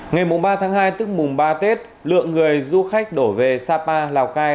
ngày ba tháng hai tức mùng ba tết lượng người du khách đổ về sapa lào cai